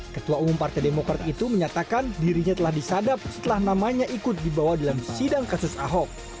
ketua umum partai demokrat itu menyatakan dirinya telah disadap setelah namanya ikut dibawa dalam sidang kasus ahok